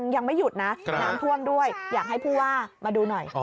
ยังไม่หยุดนะน้ำท่วมด้วยอยากให้ผู้ว่ามาดูหน่อย